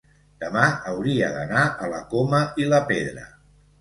demà hauria d'anar a la Coma i la Pedra.